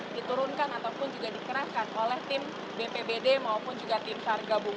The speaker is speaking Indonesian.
diturunkan ataupun juga dikeraskan oleh tim bpbd maupun juga tim sar gabungan